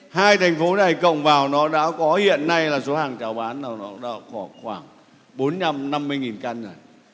hai thành phố này cộng vào nó đã có hiện nay là số hàng trào bán là khoảng bốn mươi năm năm mươi căn rồi